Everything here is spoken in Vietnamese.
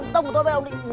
ông tông vào tôi với ông